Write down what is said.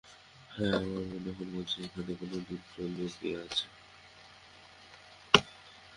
হ্যাঁ, আমার মন এখনো বলছে এখানে কোনো ডিপজল লুকিয়ে আছে।